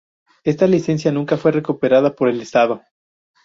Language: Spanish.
Esta licencia nunca fue recuperada por el Estado.